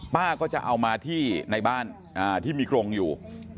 ป้าก็จะเอามาที่ในบ้านที่มีกรงอยู่